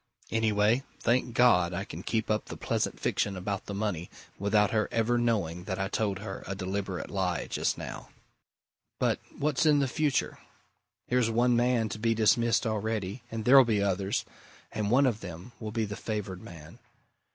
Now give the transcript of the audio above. Anyway, thank God I can keep up the pleasant fiction about the money without her ever knowing that I told her a deliberate lie just now. But what's in the future? Here's one man to be dismissed already, and there'll be others, and one of them will be the favoured man.